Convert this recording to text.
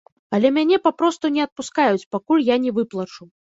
Але мяне папросту не адпускаюць, пакуль я не выплачу.